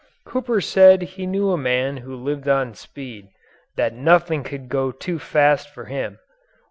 Cooper said he knew a man who lived on speed, that nothing could go too fast for him.